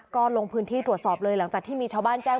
ก็ลงพื้นที่ตรวจสอบเลยหลังจากที่มีชาวบ้านแจ้ง